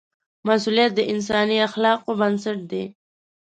مسؤلیت د انساني اخلاقو بنسټ دی.